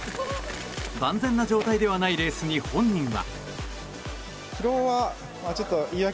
万全な状態ではないレースに本人は。